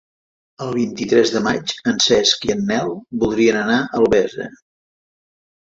El vint-i-tres de maig en Cesc i en Nel voldrien anar a Albesa.